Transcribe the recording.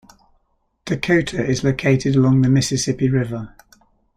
Dakota is located along the Mississippi River.